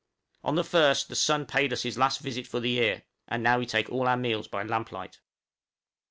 On the 1st the sun paid us his last visit for the year, and now we take all our meals by lamplight.